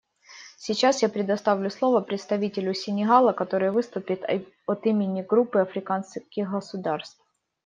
Сейчас я предоставляю слово представителю Сенегала, который выступит от имени Группы африканских государств.